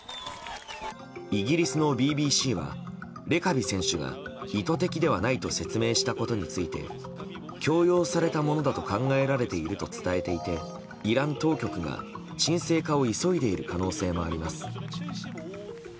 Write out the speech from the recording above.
イギリスのＢＢＣはレカビ選手が意図的ではないと説明したことについて強要されたものだと考えられていると伝えていてイラン当局が沈静化を急いでいる可能性もあります。